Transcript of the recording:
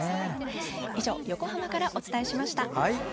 以上、横浜からお伝えしました。